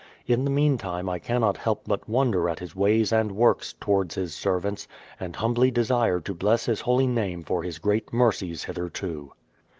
In the meantime I cannot help but wonder at His ways and works towards His servants, and humbly desire to bless His holy name for His great mercies hitherto.